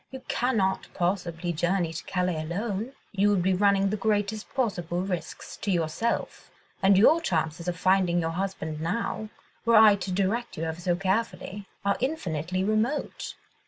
—you cannot possibly journey to Calais alone. You would be running the greatest possible risks to yourself, and your chances of finding your husband now—were I to direct you ever so carefully—are infinitely remote."